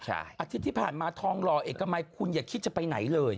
อาทิตย์ที่ผ่านมาทองหล่อเอกมัยคุณอย่าคิดจะไปไหนเลย